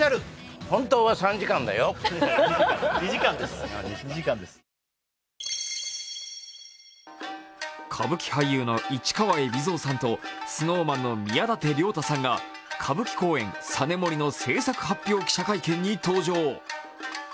その内容は歌舞伎俳優の市川海老蔵さんと、ＳｎｏｗＭａｎの宮舘涼太さんが歌舞伎公演「ＳＡＮＥＭＯＲＩ」の製作発表記者会見に登場。